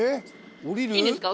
いいんですか？